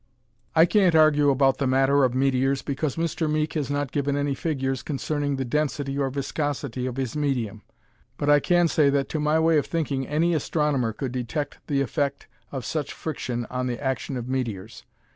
I can't argue about the matter of meteors because Mr. Meek has not given any figures concerning the density or viscosity of his medium. But I can say that to my way of thinking any astronomer could detect the effect of such friction on the action of meteors.